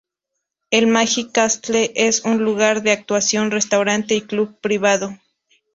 El Magic Castle es un lugar de actuación, restaurante y club privado.